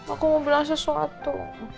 aku mau bilang sesuatu